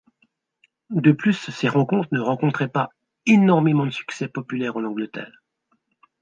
De plus, ces rencontres ne rencontraient pas énormément de succès populaire en Angleterre.